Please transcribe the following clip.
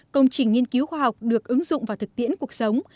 công trình nghiên cứu khoa học được ứng dụng vào thực tiễn cuộc sống